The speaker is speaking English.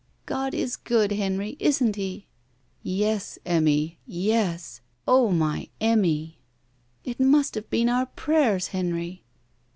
"God is good, Henry, isn't He?" "Yes, Enmiy, yes. Oh, my Enmiy!" "It must have been our prayers, Henry."